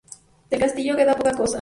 Del castillo, queda poca cosa.